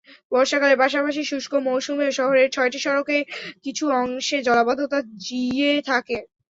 বর্ষাকালের পাশাপাশি শুষ্ক মৌসুমেও শহরের ছয়টি সড়কের কিছু অংশে জলাবদ্ধতা জিইয়ে থাকে।